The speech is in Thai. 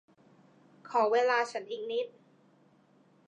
ขอเวลาฉันอีกนิด